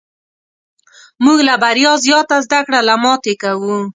موږ له بریا زیاته زده کړه له ماتې کوو.